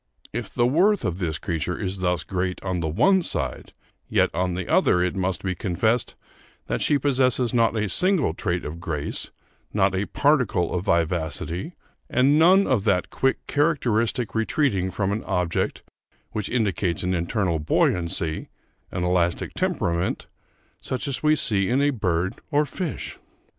If the worth of this creature is thus great on the one side, yet on the other it must be confessed that she possesses not a single trait of grace, not a particle of vivacity, and none of that quick characteristic retreating from an object which indicates an internal buoyancy, an elastic temperament, such as we see in a bird or fish....